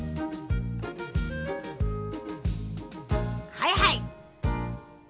はいはい。